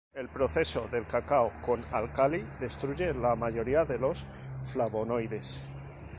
El proceso del cacao con álcali destruye la mayoría de los flavonoides.